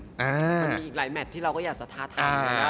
มันมีอีกหลายแมทที่เราก็อยากจะท้าทาย